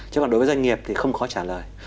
chứ còn đối với doanh nghiệp thì không khó trả lời